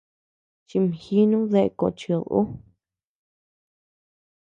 Chimjinu dae kochid ú.